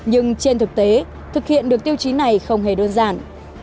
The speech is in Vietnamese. nhưng trên thực tế thực hiện được tiêu chí này không hề đơn giản